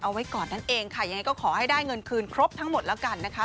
เอาไว้ก่อนนั่นเองค่ะยังไงก็ขอให้ได้เงินคืนครบทั้งหมดแล้วกันนะคะ